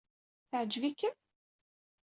Teɛǧeb-ikem?